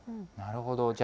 なるほど。